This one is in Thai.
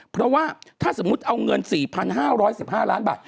เพราะว่าถ้าสมมุติเอาเงิน๔๕๑๕ล้านบาท